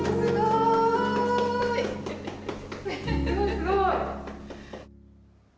すごーい！